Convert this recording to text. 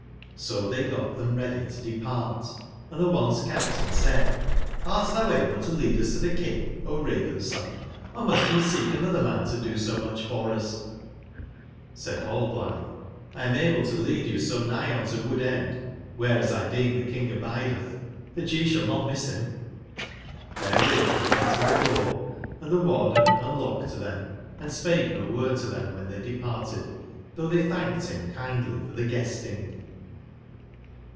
Sotbey got tbem ready to de part, and tbe once/captain said: Hrt tbou able to lead us to tbe King, O Raven/son, or must we seek anotber man to do so mucb for us ?" Said Rallblitbe : ''1 am able to lead you so nigb unto dood/end (wbere, as 1 deem, tbe King abidetb) tbat ye sball not miss bim/' T^berewitb tbey went to tbe door, & tbe harden unlocked to tbem, andspake no word to tbem wben tbey departed, tbougb tbey tbanked bim kindly for tbe guesting.